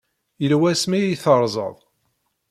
Yella wasmi ay terrẓeḍ?